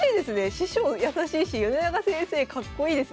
師匠優しいし米長先生かっこいいですね。